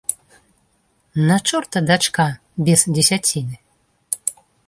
На чорта дачка без дзесяціны!